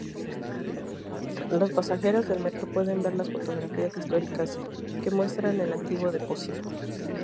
Los pasajeros del metro pueden ver las fotografías históricas que muestran el antiguo depósito.